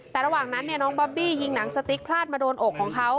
แต่ระหว่างนั้นน้องบอบบี้ยิงหนังสติ๊กพลาดมาโดนอกของเขา